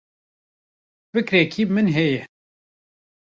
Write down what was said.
Fikreke min heye.